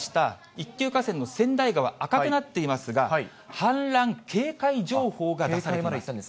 一級河川の川内川、赤くなっていますが、氾濫警戒情報が出されています。